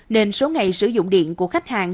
nên số ngày sử dụng điện của khách hàng